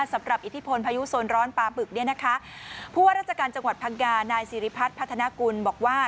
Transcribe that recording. สำหรับอิทธิพลพายุโซนร้อนปลาบึกเนี่ยนะคะผู้ว่าราชการจังหวัดพังงานายสิริพัฒน์พัฒนากุลบอกว่า